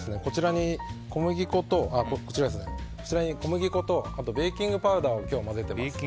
こちらに小麦粉とあとベーキングパウダーを今日混ぜてます。